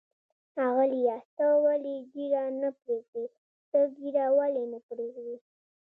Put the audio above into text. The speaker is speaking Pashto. ښاغلیه، ته ولې ږیره نه پرېږدې؟ ته ږیره ولې نه پرېږدی؟